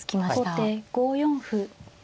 後手５四歩。